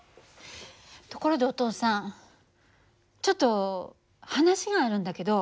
ところでお父さんちょっと話があるんだけど。